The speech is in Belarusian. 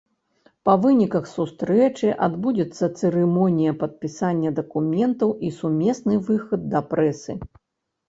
Па выніках сустрэчы адбудзецца цырымонія падпісання дакументаў і сумесны выхад да прэсы.